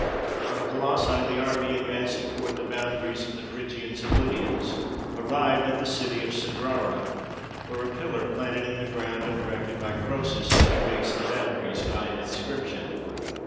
From Colossae the army, advancing toward the bounda ries of the Phrygians and Lydians, arrived at the city of Cydrara, where a pillar, planted in the ground, and erected by Crcesus, indicates the boundaries by an inscription.